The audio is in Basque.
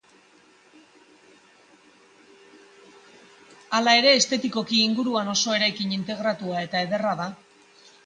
Hala ere estetikoki inguruan oso eraikin integratua eta ederra da.